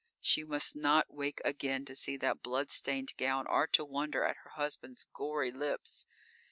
She must not wake again to see that blood stained gown or to wonder at her husband's gory lips.